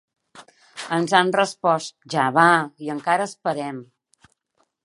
Ens han respost: "ja va", i encara esperem.